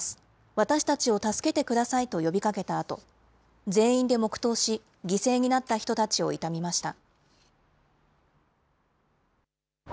私たちを助けてくださいと呼びかけたあと、全員で黙とうし、犠牲になった人たちを悼みました。